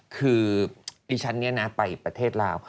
คือดิฉันเนี่ยนะไปประเทศลาว